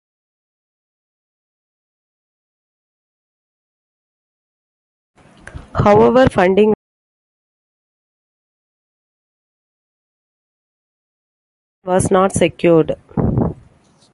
However, funding was not secured.